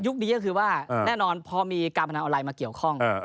นี้ก็คือว่าแน่นอนพอมีการพนันออนไลน์มาเกี่ยวข้อง